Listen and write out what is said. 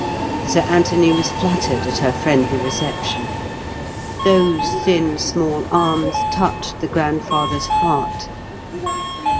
Sir Anthony was flattered at her friendly reception. Those thin small arms touched the grandfather's heart.